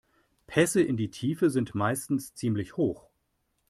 Pässe in die Tiefe sind meistens ziemlich hoch.